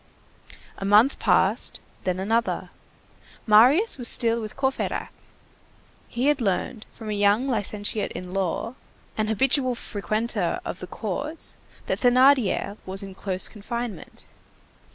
A month passed, then another. Marius was still with Courfeyrac. He had learned from a young licentiate in law, an habitual frequenter of the courts, that Thénardier was in close confinement.